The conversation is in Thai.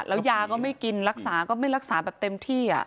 แล้วยาก็ไม่กินรักษาก็ไม่รักษาแบบเต็มที่